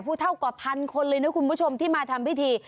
เท่ากว่าพันคนเลยนะคุณผู้ชมที่มาทำพิธี